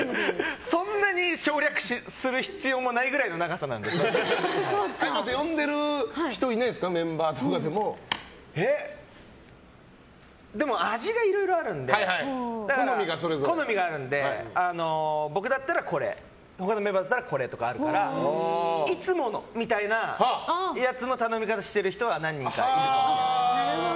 そんなに省略する呼んでいる人いないですかでも味がいろいろあるので好みがあるので僕だったら、これ他のメンバーだったらこれとかあるからいつものみたいなやつの頼み方をしている人は何人かいるかもしれません。